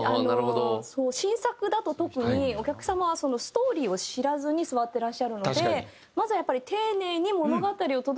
新作だと特にお客様はストーリーを知らずに座ってらっしゃるのでまずはやっぱり丁寧に物語を届ける事が基本。